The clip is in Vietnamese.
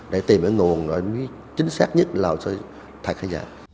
để tìm được nguồn chính xác nhất là hồ sơ thật hay giả